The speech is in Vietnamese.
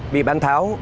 bị bán tháo